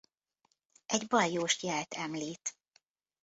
Egy baljós jelt említ.